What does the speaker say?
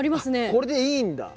これでいいんだ。